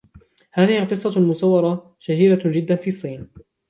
هذه القصة المصورة شهيرة جدا في الصين.